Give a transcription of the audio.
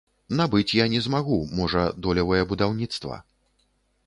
Набыць я не змагу, можа, долевае будаўніцтва.